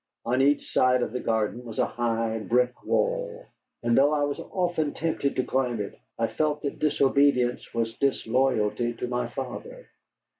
On each side of the garden was a high brick wall. And though I was often tempted to climb it, I felt that disobedience was disloyalty to my father.